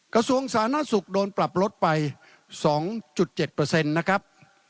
กระทรวงศาลน่าสุขโดนปรับลดไป๒๗เปอร์เซ็นต์นะครับ